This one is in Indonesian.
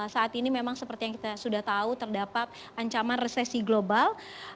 saat ini memang seperti yang kita sudah tahu terdapat ancaman resesi global